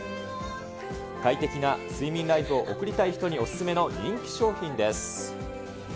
快適な睡眠ライフを送りたい人にお勧めの人気商品です。